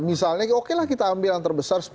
misalnya oke lah kita ambil yang terbesar